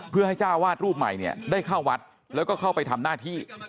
เพื่อให้เจ้าวาดรูปใหม่เนี่ยได้เข้าวัดแล้วก็เข้าไปทำหน้าที่